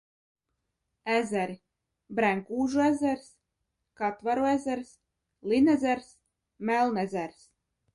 Ezeri: Brenkūžu ezers, Katvaru ezers, Linezers, Melnezers.